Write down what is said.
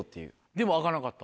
でも開かなかった？